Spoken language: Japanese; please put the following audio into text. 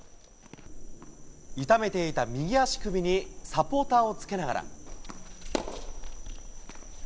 痛めていた右足首にサポーターをつけながら。